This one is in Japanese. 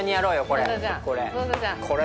これ。